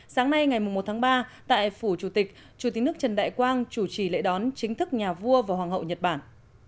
sáng nay ngày một tháng ba tại phủ chủ tịch chủ tịch nước trần đại quang chủ trì lễ đón chính thức nhà vua và hoàng hậu nhật bản